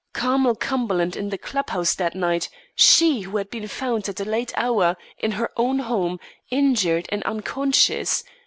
Carmel Cumberland in the club house that night she who had been found at a late hour, in her own home, injured and unconscious!